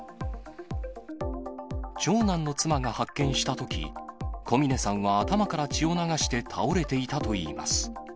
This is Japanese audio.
長男の妻が発見したとき、小峰さんは頭から血を流して倒れていたといいます。